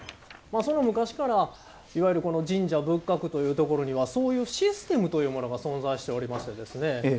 昔からいわゆる神社仏閣というところにはそういうシステムというものが存在しておりましてですね